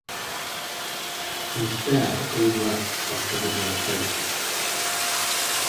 Instead, all breaths are triggered by the patient.